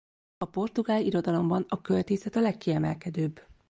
A portugál irodalomban a költészet a legkiemelkedőbb.